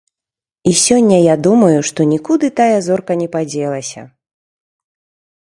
І сёння я думаю, што нікуды тая зорка не падзелася.